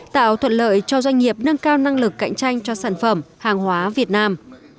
tạo thuận lợi cho doanh nghiệp nâng cao năng lực cạnh tranh cho sản phẩm hàng hóa việt nam